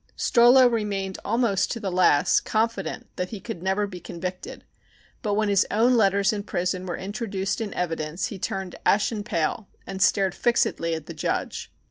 Strollo remained almost to the last confident that he could never be convicted, but when his own letters in prison were introduced in evidence he turned ashen pale and stared fixedly at the judge.